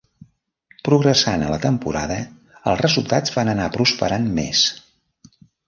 Progressant a la temporada, els resultats van anar prosperant més.